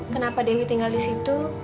kenapa dewi tinggal di situ